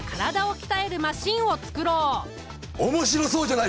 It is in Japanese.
面白そうじゃないか！